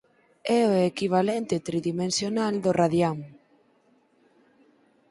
É o equivalente tridimensional do radián.